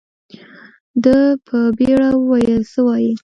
ده په بيړه وويل څه وايې.